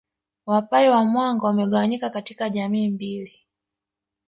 Wapare wa Mwanga wamegawanyika katika jamii mbili